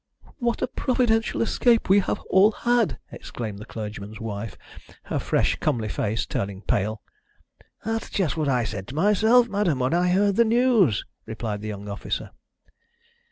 "What a providential escape we have all had!" exclaimed the clergyman's wife, her fresh comely face turning pale. "That's just what I said myself, madam, when I heard the news," replied the young officer.